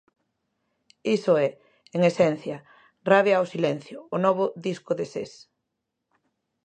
Iso é, en esencia, 'Rabia ao silencio', o novo disco de Ses.